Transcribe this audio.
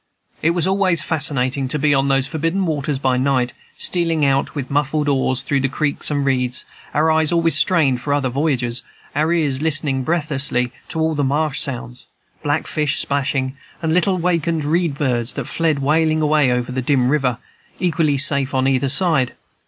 It was always fascinating to be on those forbidden waters by night, stealing out with muffled oars through the creeks and reeds, our eyes always strained for other voyagers, our ears listening breathlessly to all the marsh sounds, blackflsh splashing, and little wakened reed birds that fled wailing away over the dim river, equally safe on either side.